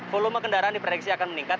volume kendaraan di prediksi akan meningkat